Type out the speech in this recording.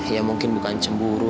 ya mungkin bukan cemburu